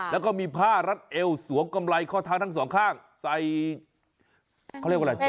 แล้วก็มีผ้ารัดเอวสวมกำไรข้อเท้าทั้งสองข้างใส่เขาเรียกว่าอะไร